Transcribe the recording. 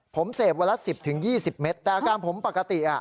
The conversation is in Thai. ผมเสพวันละ๑๐๒๐เมตรแต่อาการผมปกติอ่ะ